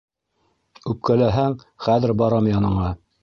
Үпкәләһәң, хәҙер барам яныңа!